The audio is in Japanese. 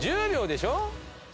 １０秒でしょ？